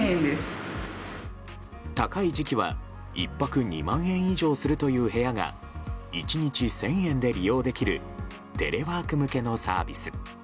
高い時期は１泊２万円以上するという部屋が１日１０００円で利用できるテレワーク向けのサービス。